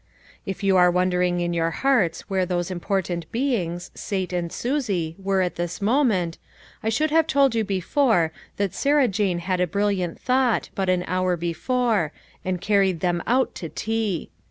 If you are wondering in your hearts where those important beings, Sate and Susie, were at this moment, I should have told you before, that Sarah Jane had a brilliant thought, but an hour before, and carried them out to tea.